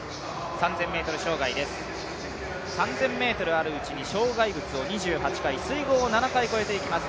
３０００ｍ障害です３０００ｍあるうちに障害を２８回、水濠を７回超えていきます。